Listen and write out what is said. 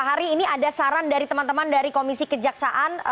hari ini ada saran dari teman teman dari komisi kejaksaan